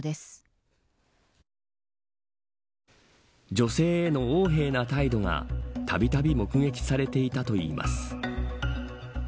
女性への横柄な態度がたびたび目撃されていたといいます。